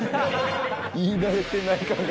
言い慣れてない感が。